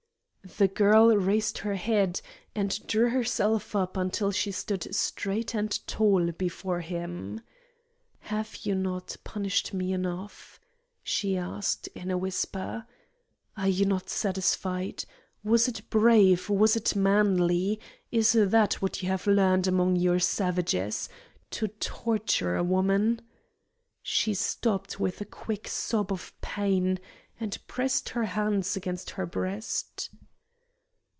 The girl raised her head, and drew herself up until she stood straight and tall before him. "Have you not punished me enough?" she asked, in a whisper. "Are you not satisfied? Was it brave? Was it manly? Is that what you have learned among your savages to torture a woman?" She stopped with a quick sob of pain, and pressed her hands against her breast.